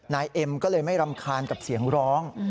เอ็มก็เลยไม่รำคาญกับเสียงร้อง